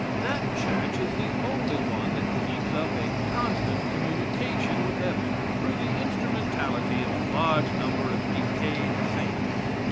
That Church is the only one that keeps up a constant communication with heaven through the instrumentality of a large number of decayed saints.